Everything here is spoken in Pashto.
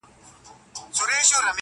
o بجل نه وه، بجل ئې راوړه٫